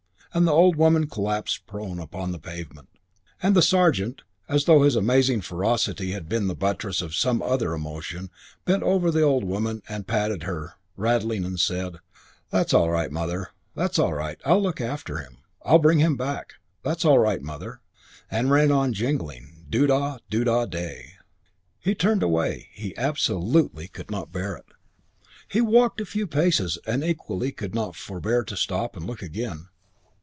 And the old woman collapsed prone upon the pavement. And the sergeant, as though his amazing ferocity had been the buttress of some other emotions, bent over the old woman and patted her, rattling, and said, "That's all right, Mother. That's all right. I'll look after him. I'll bring him back. That's all right, Mother." And ran on, jingling. Doo da! Doo da! Day! III He turned away. He absolutely could not bear it. He walked a few paces and equally could not forbear to stop and look again.